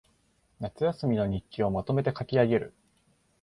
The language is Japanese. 夏休みの日記をまとめて書きあげる